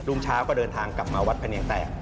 รุ่งเช้าก็เดินทางกลับมาวัดพะเนียงแตก